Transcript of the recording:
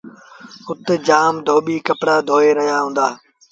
اُت جآم ڌوٻيٚ ڪپڙآ دوئي رهيآ هُݩدآ۔